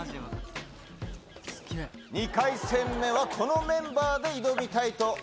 ２回戦目はこのメンバーで挑みたいと思います。